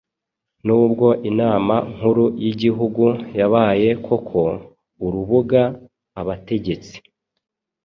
nubwo lnama Nkuru y'Igihugu yabaye koko urubuga Abategetsi